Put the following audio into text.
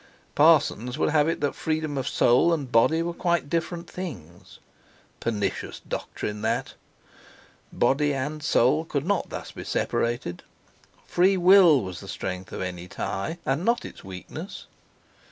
Parsons would have it that freedom of soul and body were quite different things! Pernicious doctrine! Body and soul could not thus be separated. Free will was the strength of any tie, and not its weakness.